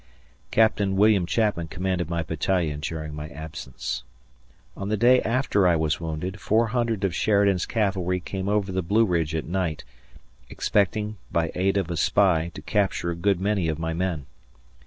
Captain William Chapman commanded my battalion during my absence. On the day after I was wounded, 400 of Sheridan's cavalry came over the Blue Ridge at night, expecting, by aid of a spy, to capture a good many of my men.